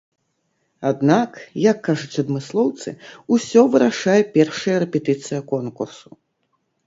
Аднак, як кажуць адмыслоўцы, усё вырашае першая рэпетыцыя конкурсу.